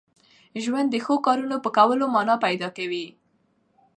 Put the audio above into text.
ژوند د ښو کارونو په کولو مانا پیدا کوي.